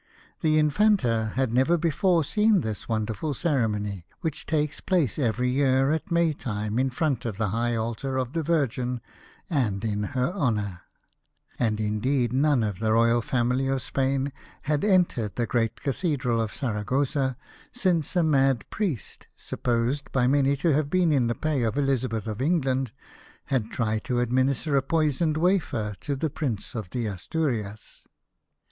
The Infanta had never before seen this wonderful cere mony which takes place every year at May time in front of the high altar of the Virgin, and in her honour ; and indeed none of the royal family of Spain had entered the great cathedral of Saragossa since a mad priest, supposed by many to have been in the pay of Elizabeth of England, had tried to administer a poisoned wafer to the Prince of the Astu rias.